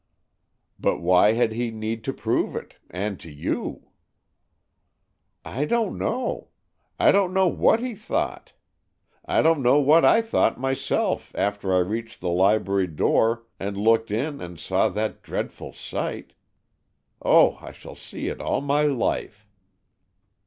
"But why had he need to prove it, and to you?" "I don't know. I don't know what he thought! I don't know what I thought myself after I reached the library door and looked in and saw that dreadful sight! Oh, I shall see it all my life!"